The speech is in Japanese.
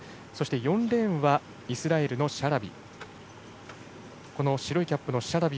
４レーンはイスラエルのシャラビ。